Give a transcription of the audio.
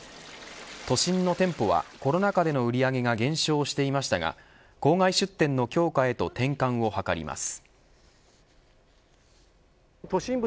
都心の店舗はコロナ禍での売り上げが減少していましたが郊外出店の強化へと転換を図ります。